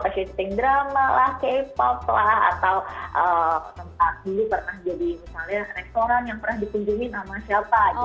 atau tempat gini pernah jadi misalnya restoran yang pernah ditunjukin sama siapa gitu